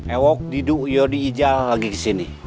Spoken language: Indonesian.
ewa didu yodi ijal lagi kesini